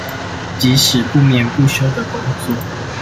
即使不眠不休的工作